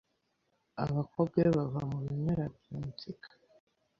abakobwa be bava mu bimera byatsiinka